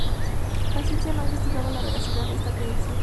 La ciencia no ha investigado la veracidad de esta creencia.